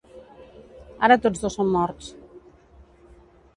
Ara tots dos són morts.